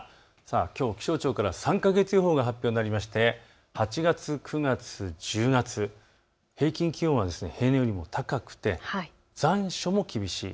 きょう、気象庁から３か月予報が発表になりまして８月、９月、１０月、平均気温は平年よりも高くて残暑も厳しい。